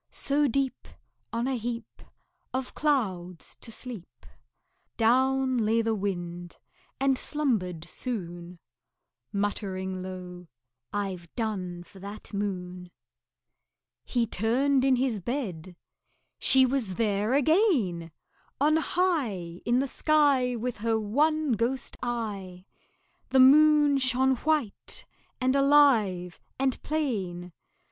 So deep, On a heap Of clouds, to sleep, Down lay the Wind, and slumbered soon Muttering low, "I've done for that Moon." He turned in his bed; she was there again! On high In the sky With her one ghost eye, The Moon shone white and alive and plain.